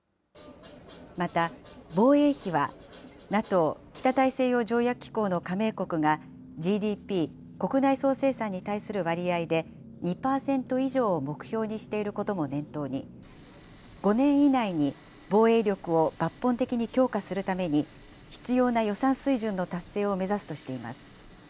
また防衛費はＮＡＴＯ・北大西洋条約機構の加盟国がＧＤＰ・国内総生産に対する割合で２％以上を目標にしていることも念頭に、５年以内に防衛力を抜本的に強化するために、必要な予算水準の達成を目指すとしています。